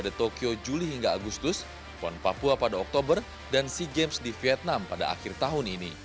di tokyo juli hingga agustus pon papua pada oktober dan sea games di vietnam pada akhir tahun ini